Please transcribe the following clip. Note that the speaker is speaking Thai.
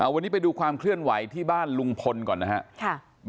วันนี้ไปดูความเคลื่อนไหวที่บ้านลุงพลก่อนนะครับ